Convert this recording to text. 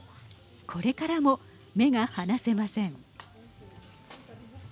これからも目が離せません。